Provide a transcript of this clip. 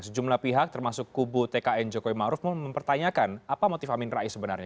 sejumlah pihak termasuk kubu tkn jokowi maruf mempertanyakan apa motif amin rais sebenarnya